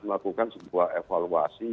melakukan sebuah evaluasi